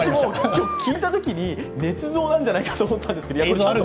今日聞いたときにねつ造じゃないかと思ったんですが。